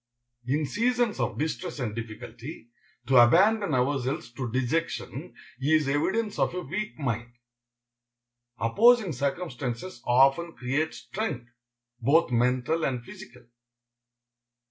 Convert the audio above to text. In seasons of distress and difficulty, to abandon ourselves to dejection is evidence of a weak mind. Opposing circumstances often create strength, both mental and physical.